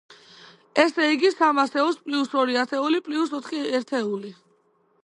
ესე იგი, სამ ასეულს პლიუს ორი ათეული, პლიუს ოთხი ერთეული.